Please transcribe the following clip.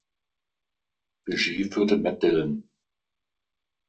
Regie führte Matt Dillon.